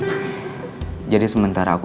udah ke kamar dulu